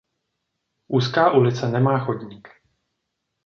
Úzká ulice nemá chodník.